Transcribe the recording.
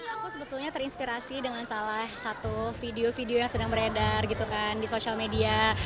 aku sebetulnya terinspirasi dengan salah satu video video yang sedang beredar gitu kan di sosial media